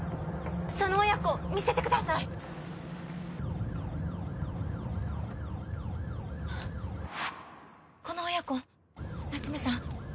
その親子見せてくださいこの親子夏梅さん